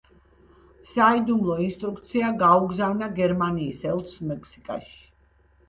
საიდუმლო ინსტრუქცია გაუგზავნა გერმანიის ელჩს მექსიკაში.